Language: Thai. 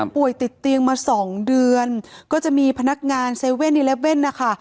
ป่วยติดเตียงมา๒เดือนก็จะมีพนักงาน๗๑๑นะคะ